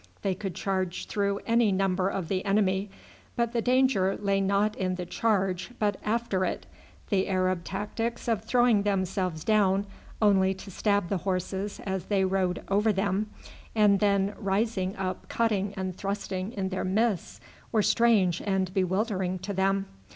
They could charge through any number of the enemy, but the danger lay not in the charge but after it. The Arab tactics of throwing themselves down only to stab the horses as they rode over them, and then rising up cutting and thrusting in their midst, were strange and bewildering to them.